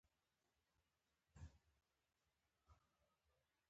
په پایله کې توکي ډېر لږ پلورل کېږي